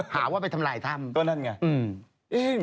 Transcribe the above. หาว่าไปทำลายถ้ำก็นั่นไง